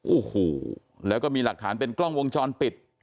โอ้โหแล้วก็มีหลักฐานเป็นกล้องวงจรปิด